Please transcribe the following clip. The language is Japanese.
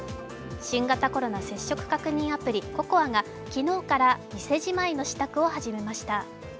新型コロナ接触確認アプリ、ＣＯＣＯＡが昨日から店じまいの支度を始めました。